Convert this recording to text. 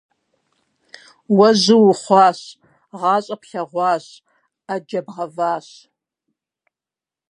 Уэ жьы ухъуащ, гъащӀэ плъэгъуащ, Ӏэджэ бгъэващ…